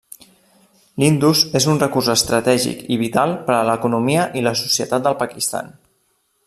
L'Indus és un recurs estratègic i vital per a l'economia i la societat del Pakistan.